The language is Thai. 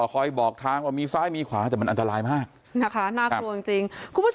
คอยบอกทางว่ามีซ้ายมีขวาแต่มันอันตรายมากนะคะน่ากลัวจริงจริงคุณผู้ชม